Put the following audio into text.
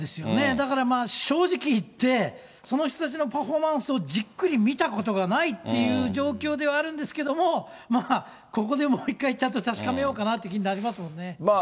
だから正直言って、その人たちのパフォーマンスをじっくり見たことがないっていう状況ではあるんですけど、まあ、ここでもう一回、ちゃんと確かめようかなって気になりますもんね。